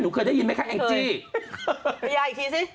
หนูเคยได้ยินไหมคะแองจี้พญาอีกทีสิ